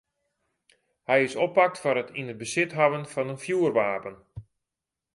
Hy is oppakt foar it yn besit hawwen fan in fjoerwapen.